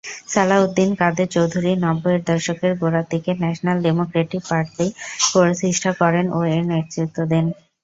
সালাহউদ্দিন কাদের চৌধুরী নব্বইয়ের দশকের গোড়ার দিকে ন্যাশনাল ডেমোক্রেটিক পার্টি প্রতিষ্ঠা করেন ও এর নেতৃত্ব দেন।